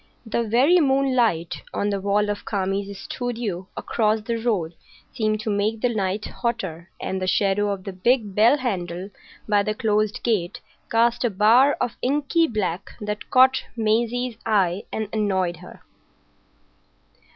The very moonlight on the wall of Kami's studio across the road seemed to make the night hotter, and the shadow of the big bell handle by the closed gate cast a bar of inky black that caught Maisie's eye and annoyed her.